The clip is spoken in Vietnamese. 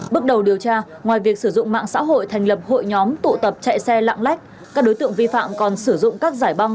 bước đầu điều tra ngoài việc sử dụng mạng xã hội thành lập hội nhóm tụ tập chạy xe lạng lách các đối tượng vi phạm còn sử dụng các giải băng